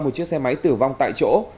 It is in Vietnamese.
một chiếc xe máy tử vong tại chỗ